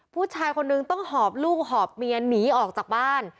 ผู้ชายคนนึงต้องหอบลูกหอบเมียหนีออกจากบ้าน